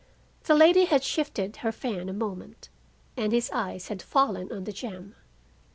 The lady had shifted her fan a moment and his eyes had fallen on the gem.